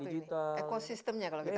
ekosistemnya kalau kita sebut